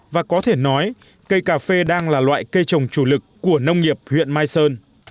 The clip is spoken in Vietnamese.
và có thể nói cây cà phê đang là loại cây trồng chủ lực của nông nghiệp huyện mai sơn